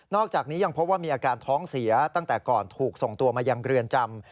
อกจากนี้ยังพบว่ามีอาการท้องเสียตั้งแต่ก่อนถูกส่งตัวมายังเรือนจำ